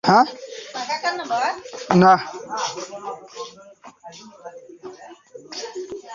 অন্যথায়, চুপ থাকো।